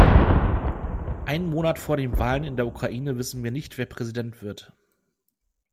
Einen Monat vor den Wahlen in der Ukraine wissen wir nicht, wer Präsident wird.